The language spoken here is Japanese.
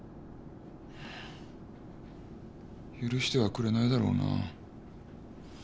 許してはくれないだろうな。